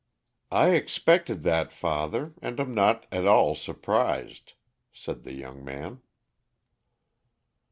"I expected that, father, and am not at all surprised," said the young man.